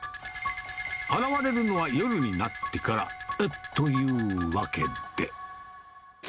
現れるのは夜になってから、というわけで。